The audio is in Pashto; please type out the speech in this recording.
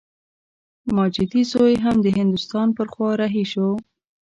ماجتي زوی هم د هندوستان پر خوا رهي شو.